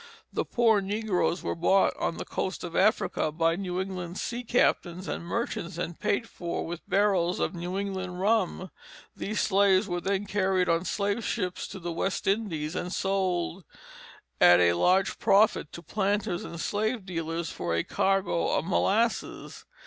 The poor negroes were bought on the coast of Africa by New England sea captains and merchants and paid for with barrels of New England rum. These slaves were then carried on slave ships to the West Indies, and sold at a large profit to planters and slave dealers for a cargo of molasses.